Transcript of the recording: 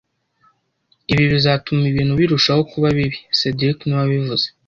Ibi bizatuma ibintu birushaho kuba bibi cedric niwe wabivuze